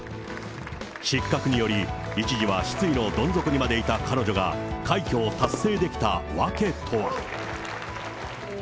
失格により、一時は失意のどん底にまでいた彼女が、快挙を達成できた訳とは。